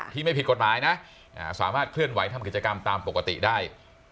ที่ไม่ผิดกฎหมายนะสามารถเคลื่อนไหวทำกิจกรรมตามปกติได้